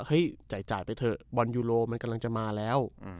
จ่ายไปเถอะบอลยูโรมันกำลังจะมาแล้ว